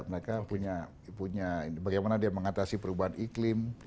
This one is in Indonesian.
mereka punya bagaimana dia mengatasi perubahan iklim